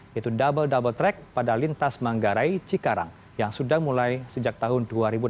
yaitu double double track pada lintas manggarai cikarang yang sudah mulai sejak tahun dua ribu enam belas